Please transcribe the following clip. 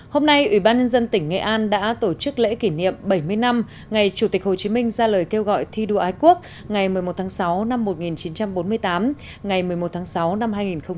hôm nay ủy ban nhân dân tỉnh nghệ an đã tổ chức lễ kỷ niệm bảy mươi năm ngày chủ tịch hồ chí minh ra lời kêu gọi thi đua ái quốc ngày một mươi một tháng sáu năm một nghìn chín trăm bốn mươi tám ngày một mươi một tháng sáu năm hai nghìn một mươi chín